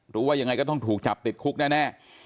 รู้ว่ายังไงก็ต้องถูกจับติดคุกแน่